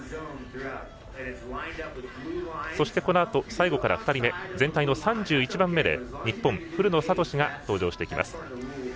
そしてこのあと最後から２人目全体の３１番目で日本、古野慧が登場します。